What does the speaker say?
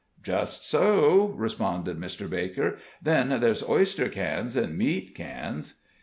"Just so," responded Mr. Baker; "then there's oyster cans an' meat cans."